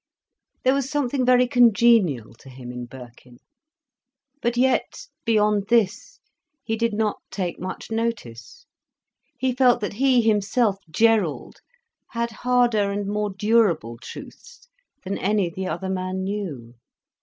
There was something very congenial to him in Birkin. But yet, beyond this, he did not take much notice. He felt that he, himself, Gerald, had harder and more durable truths than any the other man knew.